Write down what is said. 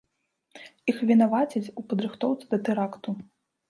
Іх вінавацяць у падрыхтоўцы да тэракту.